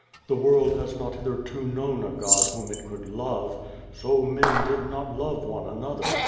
The world has not hitherto known a God whom it could love. So men did not love one another.